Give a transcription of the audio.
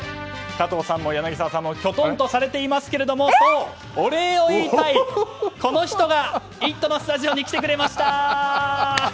加藤さんも柳澤さんもきょとんとされていますけれどもそう、お礼を言いたいこの人が「イット！」のスタジオに来てくれました！